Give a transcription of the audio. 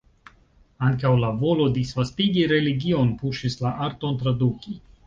Ankaŭ la volo disvastigi religion puŝis la arton traduki.